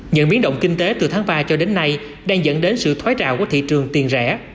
những biến động kinh tế từ tháng ba cho đến nay đang dẫn đến sự thoái trào của thị trường tiền rẻ